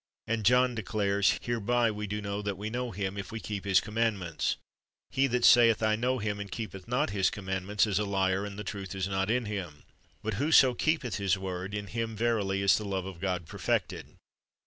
"' And John declares: "Hereby we do know that we know Him, if we keep His commandments. He that saith, I know Him, and keepeth not His commandments, is a liar, and the truth is not in him. But whoso keepeth His word, in him verily is the love of God perfected."